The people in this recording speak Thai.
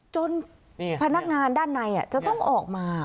พนักงานด้านในจะต้องออกมา